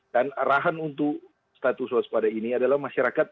dan arahan untuk status waspada ini adalah masyarakat